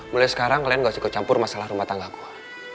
mulai sekarang kalian gak suka campur masalah rumah tangga gue